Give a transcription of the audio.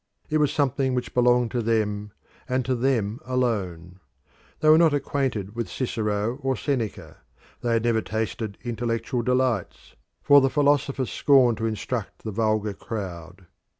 It was something which belonged to them and to them alone. They were not acquainted with Cicero or Seneca: they had never tasted intellectual delights, for the philosophers scorned to instruct the vulgar crowd.